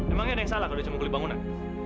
emangnya ada yang salah kalau dia cuma beli bangunan